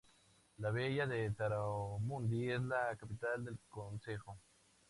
La villa de Taramundi es la capital del concejo.